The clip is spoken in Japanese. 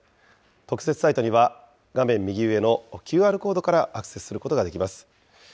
特設サイトには画面右上のＱＲコードからアクセスすることができます。